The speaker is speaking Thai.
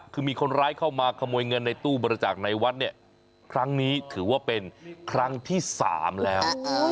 คือมีคนร้ายเข้ามาขโมยเงินในตู้บริจาคในวัดเนี่ยครั้งนี้ถือว่าเป็นครั้งที่๓แล้ว